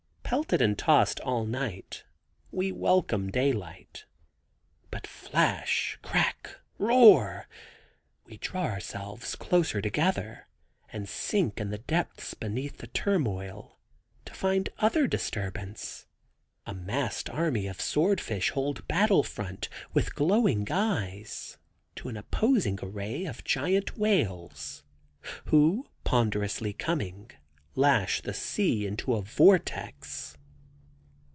Pelted and tossed all night we welcome daylight; but flash, crack, roar, we draw ourselves closer together, and sink in the depths beneath the turmoil, to find other disturbance. A massed army of swordfish hold battle front with glowing eyes to an opposing array of giant whales, who ponderously coming, lash the sea into a vortex.